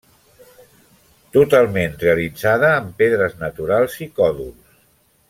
Totalment realitzada amb pedres naturals i còdols.